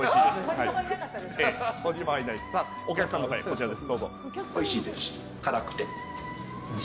お客さんの声、こちらです。